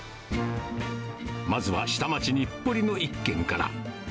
まずは下町、日暮里の一軒から。